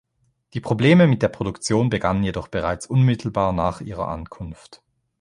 Die Probleme mit der Produktion begannen jedoch bereits unmittelbar nach ihrer Ankunft.